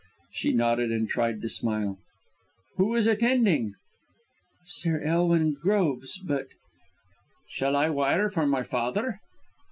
She nodded and tried to smile. "Who is attending?" "Sir Elwin Groves, but " "Shall I wire for my father?"